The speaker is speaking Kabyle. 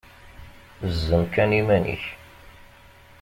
Zzem kan iman-ik!